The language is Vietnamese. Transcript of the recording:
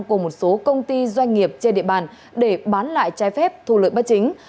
của một số công ty doanh nghiệp trên địa bàn để bán lại trái phép thu lợi bất chính